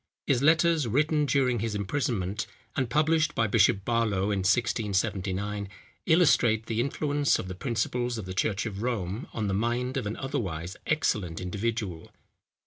His letters, written during his imprisonment, and published by Bishop Barlow in 1679, illustrate the influence of the principles of the church of Rome on the mind of an otherwise excellent individual.